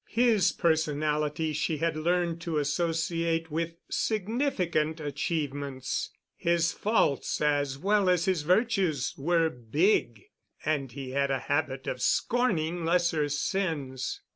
His personality she had learned to associate with significant achievements. His faults, as well as his virtues, were big, and he had a habit of scorning lesser sins.